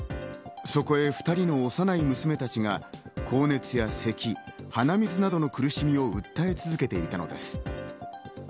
そこへ２人の幼い娘たちが高熱や咳、鼻水などの苦しみを訴え続けていたのです。